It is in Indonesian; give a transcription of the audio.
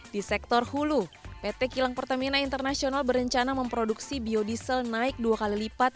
di sektor hulu pt kilang pertamina internasional berencana memproduksi biodiesel naik dua kali lipat